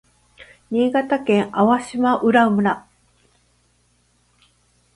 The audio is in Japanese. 新潟県粟島浦村